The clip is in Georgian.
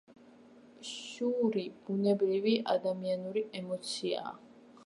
შური ბუნებრივი ადამიანური ემოციაა.